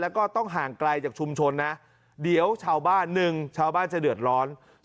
แล้วก็ต้องห่างไกลจากชุมชนนะเดี๋ยวชาวบ้านหนึ่งชาวบ้านจะเดือดร้อน